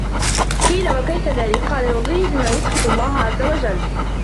قِيلَ وَكَيْفَ ذَلِكَ ؟ قَالَ يُرْضِيهِ بِمَا يُسْخِطُ اللَّهَ عَزَّ وَجَلَّ